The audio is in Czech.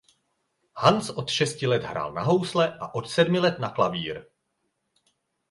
Hans od šesti let hrál na housle a od sedmi let na klavír.